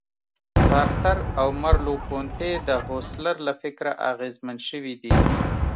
سارتر او مرلوپونتې د هوسرل له فکره اغېزمن شوي دي.